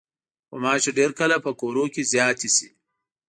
غوماشې ډېر کله په کورونو کې زیاتې شي.